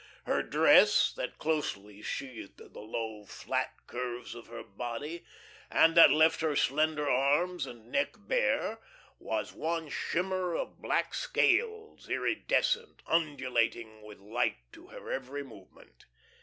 Her dress, that closely sheathed the low, flat curves of her body and that left her slender arms and neck bare, was one shimmer of black scales, iridescent, undulating with light to her every movement.